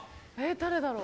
誰だろう？